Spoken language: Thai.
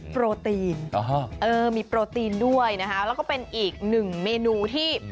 โปรตีนมีโปรตีนด้วยนะคะแล้วก็เป็นอีกหนึ่งเมนูที่